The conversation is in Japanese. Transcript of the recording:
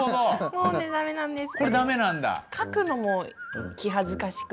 もう駄目なんですよ。